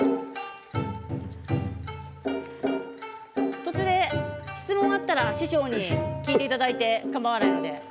途中で質問があったら師匠に聞いていただいてかまわないので。